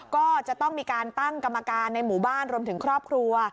ก็จะต้องมีการตั้งกรรมการในหมู่บ้านรวมถึงครอบครัว